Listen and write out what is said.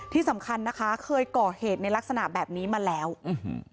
ที่สำคัญนะคะเคยก่อเหตุในลักษณะแบบนี้มาแล้วอื้อหือ